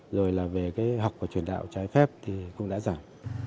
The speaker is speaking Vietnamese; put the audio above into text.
rồi là về cái học và truyền đạo trái phép thì cũng đã giảm